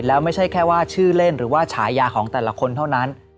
แล้วไม่ใช่แค่ว่าชื่อเล่นหรือว่าฉายาของแต่ละคนเท่านั้น